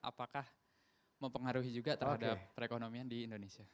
apakah mempengaruhi juga terhadap perekonomian di indonesia